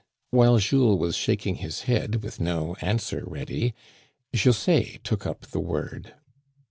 While Jules was shaking his head, with no answer ready, José took up the word.